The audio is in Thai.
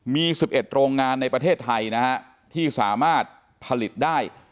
มี๑๑โรงงานในประเทศไทยนะฮะที่สามารถผลิตได้